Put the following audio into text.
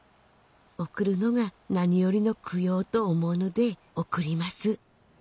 「送るのが何よりの供養と思うので送ります」